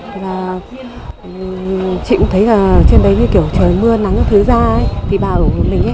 thì là chị cũng thấy là trên đấy như kiểu trời mưa nắng như thứ ra ấy thì bà ủ mình ấy